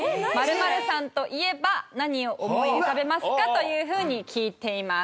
○○さんと言えば何を思い浮かべますか？というふうに聞いています。